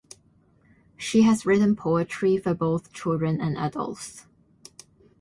She has written poetry for both children and adults.